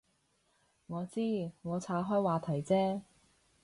我知，我岔开话题啫